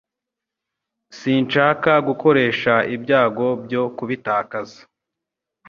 Sinshaka gukoresha ibyago byo kubitakaza